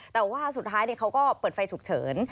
แต่ว่าสุดท้ายเขาก็เปิดไฟฉุกเฉิน